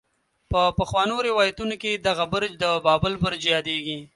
په پخوانو روايتونو کې دغه برج د بابل برج يادېږي.